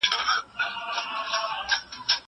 شيان د پلورونکي له خوا پلورل کيږي!